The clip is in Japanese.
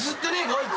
あいつ。